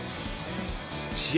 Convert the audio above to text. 試合